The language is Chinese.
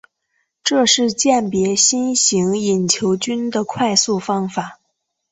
这是鉴别新型隐球菌的快速方法。